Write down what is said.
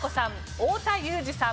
太田裕二さん